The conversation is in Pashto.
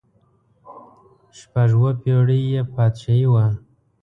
شپږ اووه پړۍ یې بادشاهي وه.